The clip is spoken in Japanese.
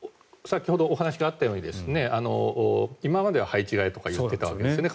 先ほどお話があったように今までは配置換えとか言っていたわけですね。